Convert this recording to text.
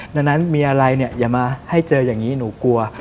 ดังนั้นมีอะไรเนี่ยอย่ามาให้เจออย่างนี้หนูกลัว